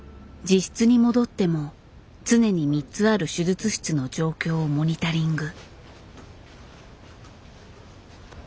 自室に戻っても常に３つある手術室の状況をモニタリング。